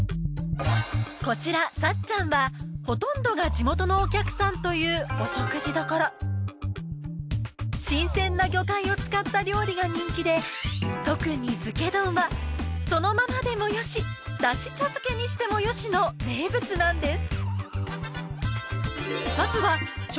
こちら「さっちゃん」はほとんどが地元のお客さんというお食事処新鮮な魚介を使った料理が人気で特に漬け丼はそのままでもよし出汁茶漬けにしてもよしの名物なんです